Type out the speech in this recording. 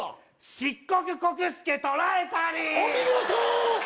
漆黒黒助捕らえたりお見事！